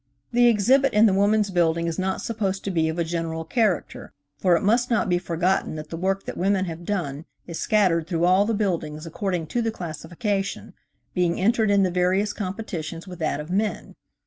The exhibit in the Woman's Building is not supposed to be of a general character, for it must not be forgotten that the work that women have done is scattered through all the buildings according to the classification, being entered in the various competitions with that of men.